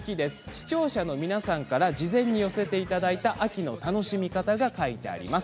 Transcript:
視聴者の皆さんから事前に寄せていただいた秋の楽しみ方が書いてあります。